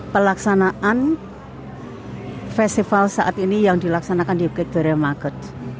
pelaksanaan festival saat ini yang dilaksanakan di queen victoria market